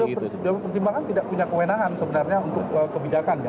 kalau dewan pertimbangan tidak punya kewenangan sebenarnya untuk kebijakan